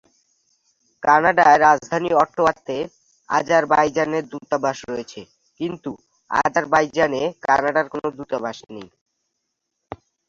কানাডার রাজধানী অটোয়া তে আজারবাইজানের দূতাবাস রয়েছে, কিন্তু আজারবাইজানে কানাডার কোন দূতাবাস নেই।